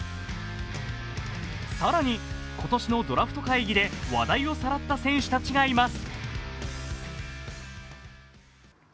更に、今年のドラフト会議で話題をさらった選手たちがいます。